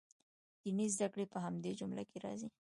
دیني زده کړې په همدې جمله کې راځي.